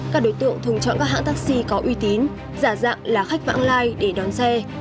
các đối tượng thường chọn các hãng taxi có uy tín giả dạng là khách vãng lai để đón xe